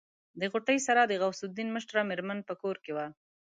له غوټۍ سره د غوث الدين مشره مېرمن په کور کې وه.